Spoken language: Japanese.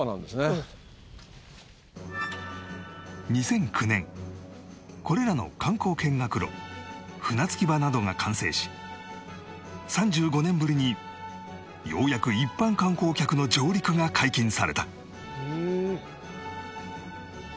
２００９年これらの観光見学路船着き場などが完成し３５年ぶりにようやく一般観光客の上陸が解禁された